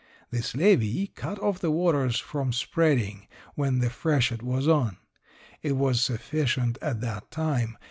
This levee cut off the waters from spreading when the freshet was on. It was sufficient at that time.